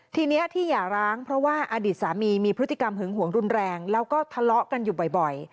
ทีนี้ที่อย่าร้างเพราะว่าอดีตสามีมีพฤติกรรมหึงหวงรุนแรงแล้วก็ทะเลาะกันอยู่บ่อย